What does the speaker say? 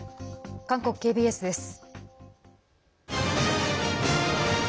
韓国ＫＢＳです。